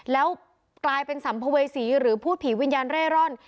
แล้วกลายเป็นสัมภเวษีหรือพูดผีวิญญาณเร่ร่อน